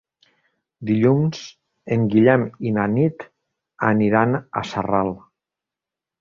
Dilluns en Guillem i na Nit aniran a Sarral.